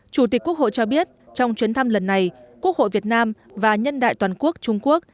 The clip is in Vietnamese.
chủ tịch quốc hội cho biết trong chuyến thăm lần này quốc hội việt nam và nhân đại toàn quốc trung quốc